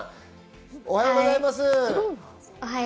おはようございます。